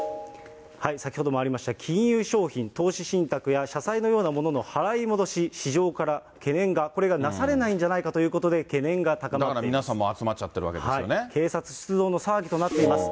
先ほどもありました、金融商品、投資信託の社債のようなものの払い戻し、市場から懸念が、これがなされないんじゃないかということで、懸念が高まっているだから皆さん、もう集まっち警察出動の騒ぎとなっています。